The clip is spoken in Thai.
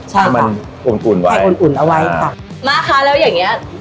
ใช่ให้มันอบอุ่นไว้ให้อบอุ่นเอาไว้ค่ะม้าคะแล้วอย่างเงี้ย